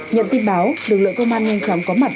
nhận tin báo lực lượng công an nhanh chóng có mặt